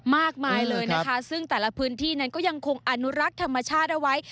มากมายเลยนะคะซึ่งแต่ละพื้นที่นั้นก็ยังคงอนุรักษ์ธรรมชาติเอาไว้